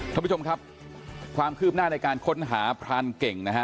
ท่านผู้ชมครับความคืบหน้าในการค้นหาพรานเก่งนะฮะ